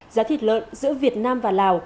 giá thịt lợn giữa việt nam và lào